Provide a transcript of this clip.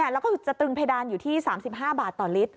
แล้วก็จะตึงเพดานอยู่ที่๓๕บาทต่อลิตร